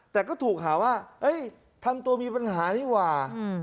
แต่ก็ถูกหาว่าทำตัวมีปัญหานี่หว่า